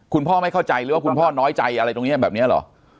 คุณพ่อไม่เข้าใจหรือว่าคุณพ่อน้อยใจอะไรตรงนี้แบบนี้เหรอ